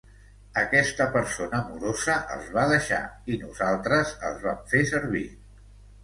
Aquesta persona morosa els va deixar, i nosaltres els vam fer servir.